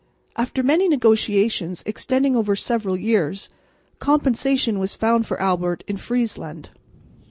After many negotiations extending over several years, compensation was found for Albert in Friesland.